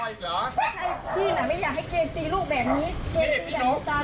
ไม่ใช่พี่น่ะไม่อยากให้เกมสีลูกแบบนี้เกมสีแห่งตาลอย